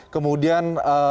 kemudian diberikan kepolisian